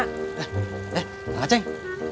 eh eh kang aceng